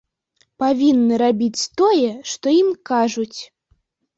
Павінны рабіць тое, што ім кажуць!